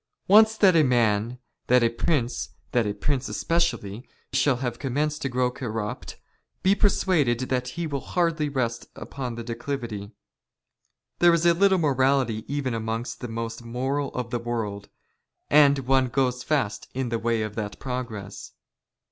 " Once that a man, that a prince, that a prince especially, " shall have commenced to grow corrupt, be persuaded that he " will hardly rest upon the declivity. There is little morality " even amongst the most moral of the world, and one goes fast " in the way of that progress.